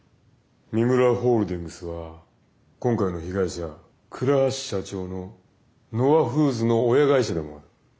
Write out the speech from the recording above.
三村ホールディングスは今回の被害者倉橋社長のＮＯＡフーズの親会社でもある。